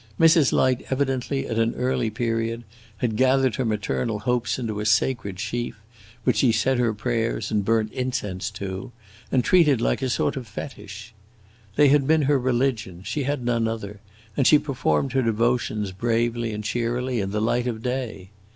Mrs. Light evidently, at an early period, had gathered her maternal hopes into a sacred sheaf, which she said her prayers and burnt incense to, and treated like a sort of fetish. They had been her religion; she had none other, and she performed her devotions bravely and cheerily, in the light of day.